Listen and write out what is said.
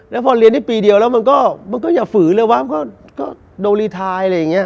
แล้วพอเรียนได้ปีเดียวแล้วมันก็อย่าฝือเลยวะมันก็โดรีไทยอะไรอย่างนี้